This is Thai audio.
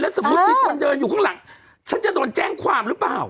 สมมุติมีคนเดินอยู่ข้างหลังฉันจะโดนแจ้งความหรือเปล่า